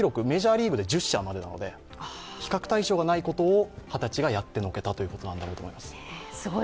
メジャーリーグで１０までなので比較対象がないことを二十歳がやってのけたということなんだと思います。